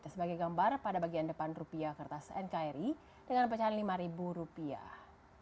sebagai gambar pada bagian depan rupiah kertas nkri dengan pecahan dua puluh ribu rupiah